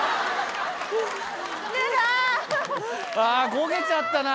あぁ焦げちゃったな。